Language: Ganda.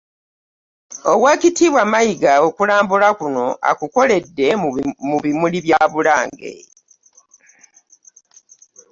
Oweekitiibwa Mayiga okulambika kuno akukoledde mu bimuli bya Bulange